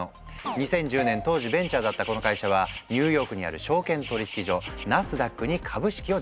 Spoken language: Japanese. ２０１０年当時ベンチャーだったこの会社はニューヨークにある証券取引所ナスダックに株式を上場した。